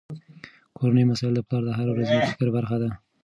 کورني مسایل د پلار د هره ورځني فکر برخه ده.